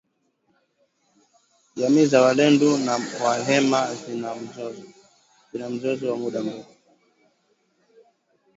Jamii za walendu na wahema zina mzozo, zina mzozo wa muda mrefu